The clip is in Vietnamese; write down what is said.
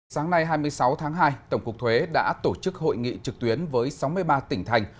sáng nay hai mươi sáu tháng hai tổng cục thuế đã tổ chức hội nghị trực tuyến với sáu mươi ba tỉnh thành